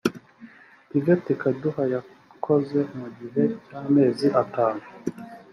tvt kaduha yakoze mu gihe cy amezi atanu